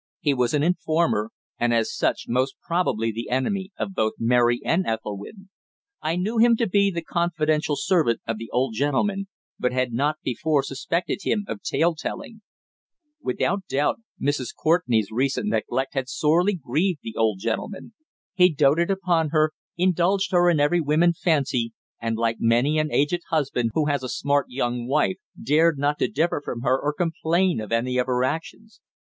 He was an informer, and as such most probably the enemy of both Mary and Ethelwynn. I knew him to be the confidential servant of the old gentleman, but had not before suspected him of tale telling. Without doubt Mrs. Courtenay's recent neglect had sorely grieved the old gentleman. He doted upon her, indulged her in every whim and fancy and, like many an aged husband who has a smart young wife, dared not to differ from her or complain of any of her actions.